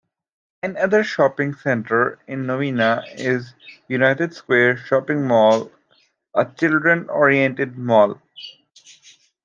Another shopping centre in Novena is United Square Shopping Mall, a children-oriented mall.